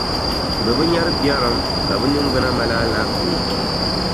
bɛ bi nyari biɛrim; ka bɛ niŋgbuna mali alaafee.